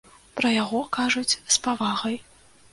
Пра яго кажуць з павагай.